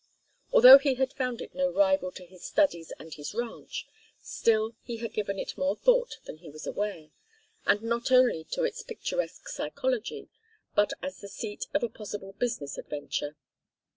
Although he had found it no rival to his studies and his ranch, still he had given it more thought than he was aware, and not only to its picturesque psychology, but as the seat of a possible business adventure.